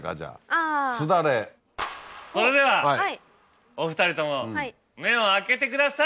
それではお２人とも目を開けてください。